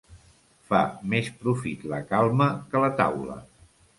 Fa més profit la calma que la taula.